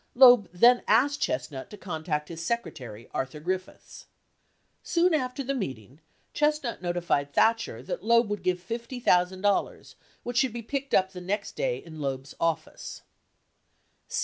Loeb then asked Chestnut to contact his secretary, Arthur Griffiths. Soon after the meeting Chestnut notified Thatcher that Loeb would give $50,000 which should be picked up the next day in Loeb's office.